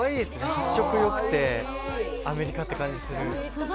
発色よくて、アメリカってって感じがする。